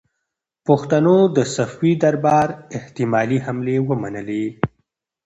پښتنو د صفوي دربار احتمالي حملې ومنلې.